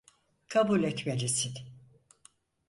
Kabul etmelisin.